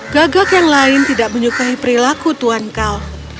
gagak yang lain tidak menyukai perilaku tuhan kau